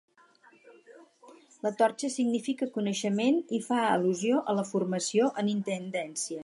La torxa significa coneixement i fa al·lusió a la formació en intendència.